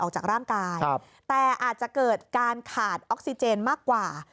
ออกจากร่างกายแต่อาจจะเกิดการขาดออกซิเจนมากกว่า